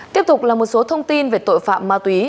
tiếp tục là một số thông tin về tội phạm ma túy